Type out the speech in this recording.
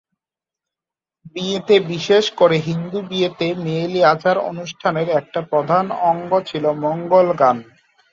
বিয়েতে বিশেষ করে হিন্দু বিয়েতে মেয়েলি আচার-অনুষ্ঠানের একটা প্রধান অঙ্গ ছিল মঙ্গল গান।